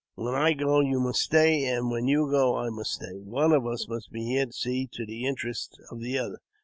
When I go, you must stay; and when you go, I must stay ; one of us must be here to see to the interests of the other.